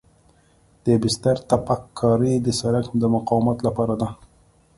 د بستر تپک کاري د سرک د مقاومت لپاره ده